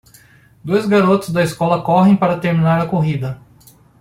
Dois garotos da escola correm para terminar a corrida.